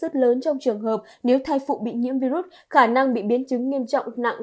rất lớn trong trường hợp nếu thai phụ bị nhiễm virus khả năng bị biến chứng nghiêm trọng nặng